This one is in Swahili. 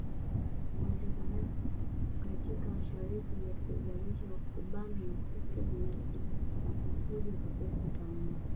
uwekezaji katika mashirika yasiyozalisha kubanwa kwa sekta binafsi na kufujwa kwa pesa za umma